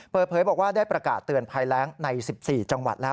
เปิดเผยบอกว่าได้ประกาศเตือนภัยแรงใน๑๔จังหวัดแล้ว